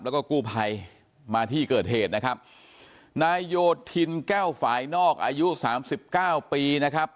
แล้วก็กู้ภัยมาที่เกิดเหตุนะครับนายโยธินแก้วฝ่ายนอกอายุสามสิบเก้าปีนะครับ